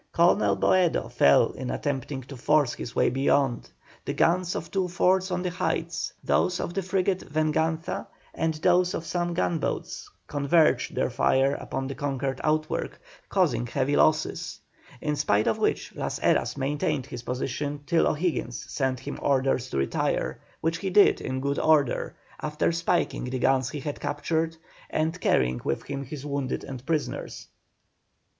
Colonel Boedo fell in attempting to force his way beyond; the guns of two forts on the heights, those of the frigate Venganza, and those of some gunboats converged their fire upon the conquered outwork, causing heavy losses; in spite of which Las Heras maintained his position till O'Higgins sent him orders to retire, which he did in good order, after spiking the guns he had captured, and carrying with him his wounded and prisoners.